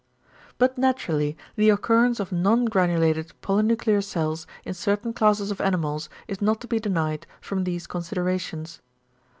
But naturally, the occurrence of non granulated polynuclear cells in certain classes of animals is not to be denied from these considerations.